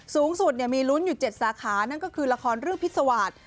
สูงสุดมีลุ้นอยู่๗สาขานั่นก็คือละครเรื่องพิษวาส